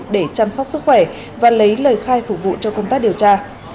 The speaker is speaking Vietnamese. để chăm sóc sức khỏe và lấy lời khai phục vụ cho công tác điều tra